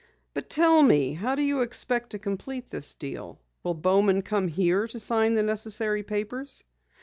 "But tell me, how do you expect to complete this deal? Will Bowman come here to sign the necessary papers?"